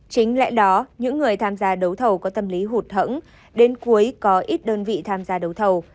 chính lẽ đó những người tham gia đấu thầu có tâm lý hụt hẫng đến cuối có ít đơn vị tham gia đấu thầu